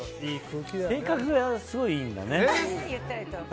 性格がすごいいいんだね。